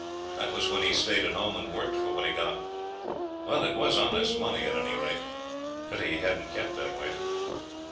That was when he stayed at home and worked for what he got. Well, it was honest money, at any rate pity he hadn't kept that way.